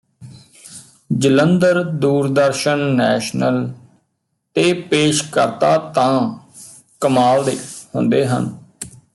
Jalandhar Doordarshan national ਤੇ ਪੇਸ਼ ਕਰਤਾ ਤਾਂ ਕਮਾਲ ਦੇ ਹੁੰਦੇ ਹਨ